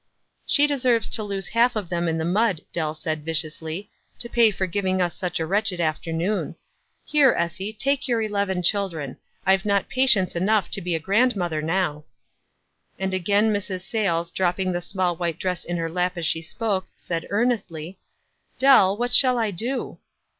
''She deserves to lose half of them in tho mud," Dell said, viciously, "to pay for giving us such a wretched afternoon. Here, Essie, take your eleven children; IVo not patience, enough to be a grandmother now\" And again Mrs. Sayles, dropping the small white dress in her lap as she spoke, said earn estly, — "Dell, what shall I do?"